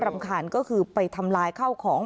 รำคาญก็คือไปทำลายข้าวของ